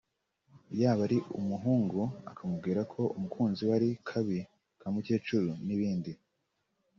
yaba ari umuhungu akamubwira ko umukunzi we ari kabi (ka mukecuru) n’ibindi